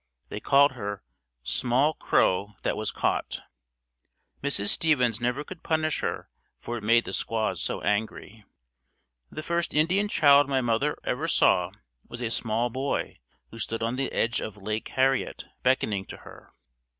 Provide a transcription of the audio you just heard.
They called her "Small Crow that was Caught". Mrs. Stevens never could punish her for it made the squaws so angry. The first Indian child my mother ever saw was a small boy who stood on the edge of Lake Harriet beckoning to her.